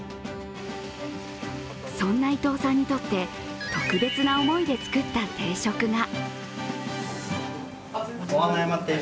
そんな伊東さんにとって特別な思いで作った定食が。